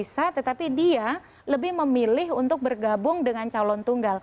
bisa tetapi dia lebih memilih untuk bergabung dengan calon tunggal